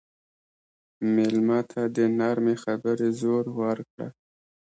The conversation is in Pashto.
مېلمه ته د نرمې خبرې زور ورکړه.